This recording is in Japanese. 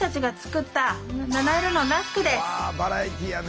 うわバラエティーやね。